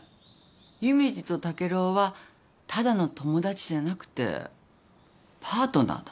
夢二と竹郎はただの友達じゃなくてパートナーだ。